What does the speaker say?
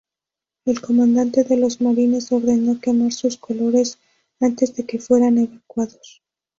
El comandante de los marines ordeno quemar sus colores antes de que fueran evacuados.